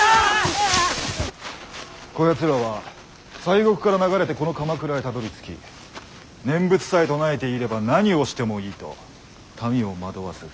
こやつらは西国から流れてこの鎌倉へたどりつき念仏さえ唱えていれば何をしてもいいと民を惑わす不埒者でございます。